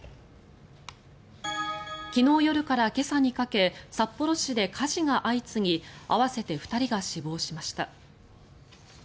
昨日夜から今朝にかけ札幌市で火事が相次ぎ合わせて２人が死亡しました。